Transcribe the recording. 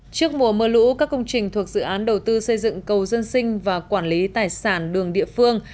trước mùa mưa lũ các công trình thuộc dự án đầu tư xây dựng cầu dân sinh và quản lý tài sản đường địa phương